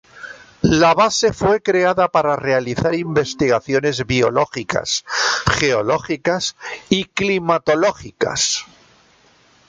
La base fue creada para realizar investigaciones biológicas, geológicas y climatológicas.